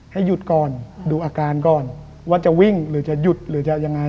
ให้หยุดก่อนดูอาการก่อนว่าจะวิ่งหรือจะหยุดหรือจะยังไง